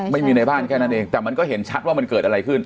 ในบ้านแค่นั้นเองแต่มันก็เห็นชัดว่ามันเกิดอะไรขึ้น